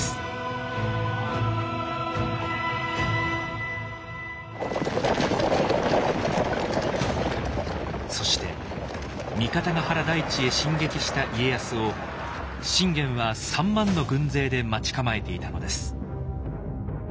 家康はそして三方ヶ原台地へ進撃した家康を信玄は３万の軍勢で待ち構えていたのです。